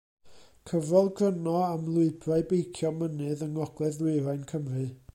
Cyfrol gryno am lwybrau beicio mynydd yng Ngogledd Ddwyrain Cymru.